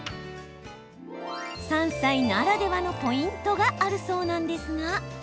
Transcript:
山菜ならではのポイントがあるそうなんですが。